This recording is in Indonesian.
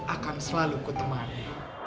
akan selalu kutemani